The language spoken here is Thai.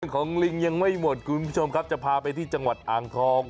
ของลิงยังไม่หมดคุณผู้ชมครับจะพาไปที่จังหวัดอ่างทอง